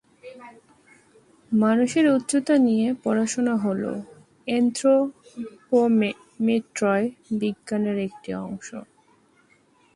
মানুষের উচ্চতা নিয়ে পড়াশোনা হল এনথ্রোপোমেট্রয় বিজ্ঞানের একটি অংশ।